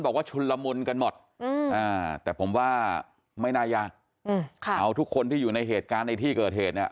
ชุนละมุนกันหมดแต่ผมว่าไม่น่ายากเอาทุกคนที่อยู่ในเหตุการณ์ในที่เกิดเหตุเนี่ย